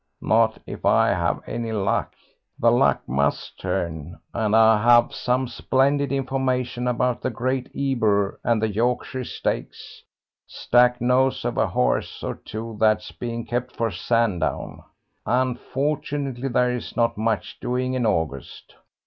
"Not if I have any luck. The luck must turn, and I have some splendid information about the Great Ebor and the Yorkshire Stakes. Stack knows of a horse or two that's being kept for Sandown. Unfortunately there is not much doing in August.